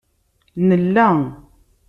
Nella